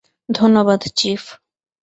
ধন্যবাদ, চীফ।